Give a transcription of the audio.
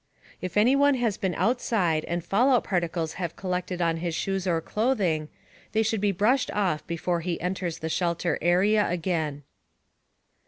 If anyone has been outside and fallout particles have collected on his shoes or clothing, they should be brushed off before he enters the shelter area again.